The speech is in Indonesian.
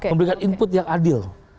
memberikan input yang adil